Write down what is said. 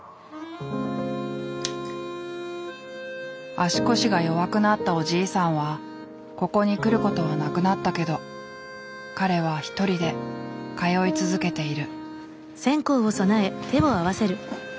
足腰が弱くなったおじいさんはここに来ることはなくなったけど彼は一人で通い続けている。